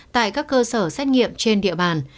tại các cơ sở xét nghiệm trên địa bàn